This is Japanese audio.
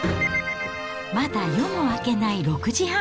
まだ夜も明けない６時半。